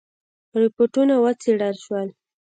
رپوټونه وڅېړل شول.